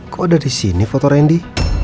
kok ada disini foto randy